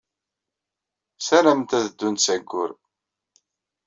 Ssarament ad ddunt s Ayyur.